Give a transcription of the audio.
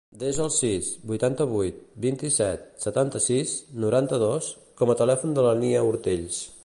Desa el sis, vuitanta-vuit, vint-i-set, setanta-sis, noranta-dos com a telèfon de la Nia Ortells.